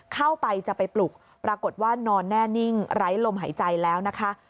เข้าไปจะไปปลุกปรากฏว่านอนแน่นิ่งไร้ลมหายใจแล้วนะคะ